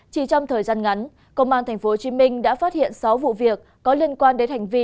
chỉ trong thời gian ngắn công an tp hcm đã phát hiện sáu vụ việc có liên quan đến hành vi